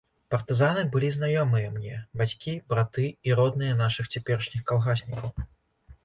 Партызаны былі знаёмыя мне, бацькі, браты і родныя нашых цяперашніх калгаснікаў.